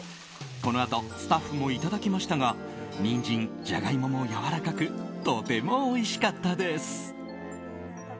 このあとスタッフもいただきましたがニンジン、ジャガイモもやわらかくとてもおいしかったです。